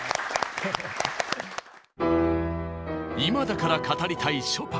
今だから語りたいショパン。